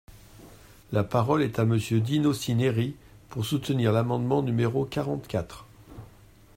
La parole est à Monsieur Dino Cinieri, pour soutenir l’amendement numéro quarante-quatre.